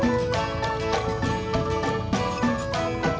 bisa aja kang